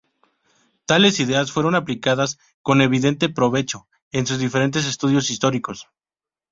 Tales ideas fueron aplicadas con evidente provecho en sus diferentes estudios históricos.